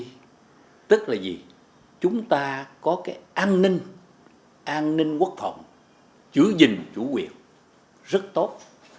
tức là gì tức là gì chúng ta có cái an ninh an ninh quốc phòng chữ dình chủ quyền rất tốt